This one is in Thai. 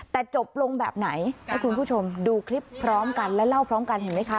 แต่จบลงแบบไหนให้คุณผู้ชมดูคลิปพร้อมกันและเล่าพร้อมกันเห็นไหมคะ